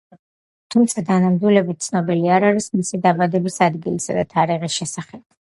თუმცა დანამდვილებით ცნობილი არ არის მისი დაბადების ადგილისა და თარიღის შესახებ.